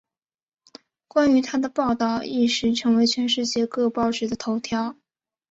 关于她的报道一时成为全世界各报纸的头条。